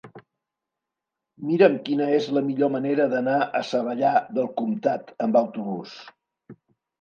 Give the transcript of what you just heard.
Mira'm quina és la millor manera d'anar a Savallà del Comtat amb autobús.